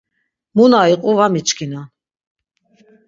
Mu na iqu va miçkinan.